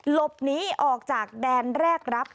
หลบหนีออกจากแดนแรกรับ